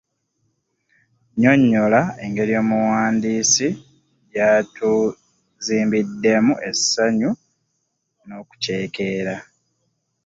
Nnyonnyola engeri omuwandiisi gy’atuzimbiddemu essanyu n’okuceekeera.